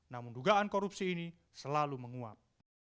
namun dugaan korupsi ini selalu menguap